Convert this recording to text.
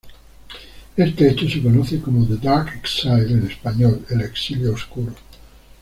Este hecho se conoce como The dark exile, en español El exilio oscuro.